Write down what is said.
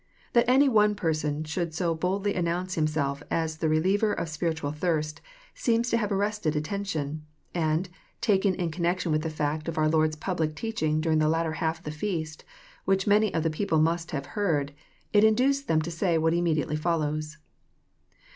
That any one person should so boldly announce himself as the reliever of spiritual thirst seems to have arrested attention, and, taken in connection with the fact of our Lord's public teaching during the latter half of the feast, which many of the people must have heard, it induced them to say what immedi ately follows.